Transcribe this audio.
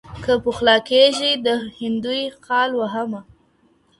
که پخلا کيږې د هندوې خال وهمه